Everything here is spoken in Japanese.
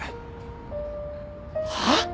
はあ！？